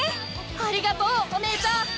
ありがとうお姉ちゃん！